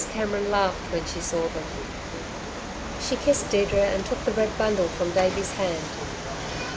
Cameron laughed when she saw them. She kissed Deirdre and took the red bundle from Davey's hand.